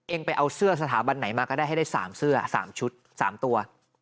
ไปเอาเสื้อสถาบันไหนมาก็ได้ให้ได้๓เสื้อ๓ชุด๓ตัว